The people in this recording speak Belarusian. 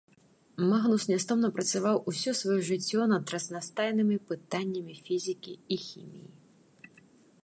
Магнус нястомна працаваў усё сваё жыццё над разнастайнымі пытаннямі фізікі і хіміі.